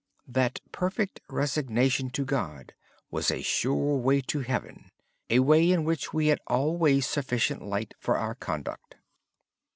He said that perfect resignation to God was a sure way to heaven, a way in which we have always sufficient light for our conduct.